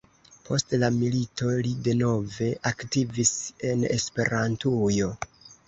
Post la milito li denove aktivis en Esperantujo.